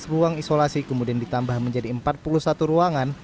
dua belas ruang isolasi kemudian ditambah menjadi empat puluh satu ruangan